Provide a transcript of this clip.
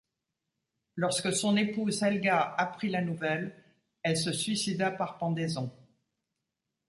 Lorsque son épouse Helga apprit la nouvelle, elle se suicida par pendaison.